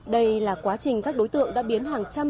đây là quá trình các đối tượng đã biến hàng trăm